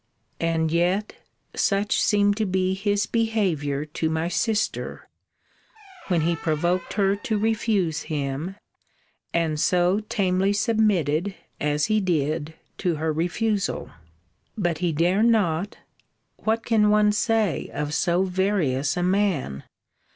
And yet such seemed to be his behaviour to my sister,* when he provoked her to refuse him, and so tamely submitted, as he did, to her refusal. But he dare not What can one say of so various a man?